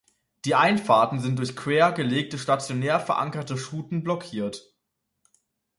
Die Einfahrten sind durch quer gelegte, stationär verankerte Schuten blockiert.